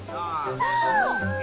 来た！